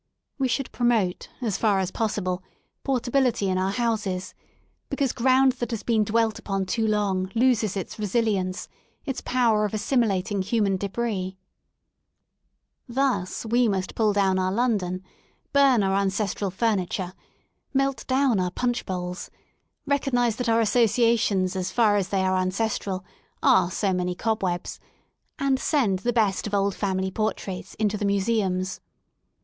We should promote, as far as possible, portability in our houses, because ground that has been dwelt upon too long loses its resilience, its power of assimilating human debris. Thus we must pull down our London ; burn our ancestral furniture ; melt down our punch bowls ; recognise that our associations as far as they are an cestral, are so many cobwebs ; and send the best of old family portraits into the Museums.